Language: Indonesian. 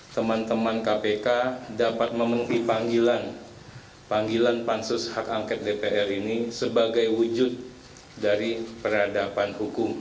teman teman kpk dapat memenuhi panggilan panggilan pansus hak angket dpr ini sebagai wujud dari peradaban hukum